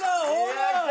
やった！